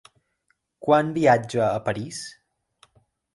Quan viatja a París?